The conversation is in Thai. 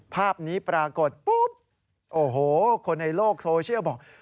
ภาพนี้ปรากฏปุ๊บโอ้โหคนในโลกโซเชียลบอก